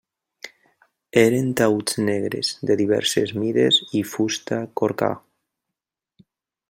Eren taüts negres, de diverses mides i fusta corcada.